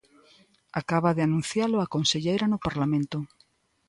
Acaba de anuncialo a conselleira no Parlamento.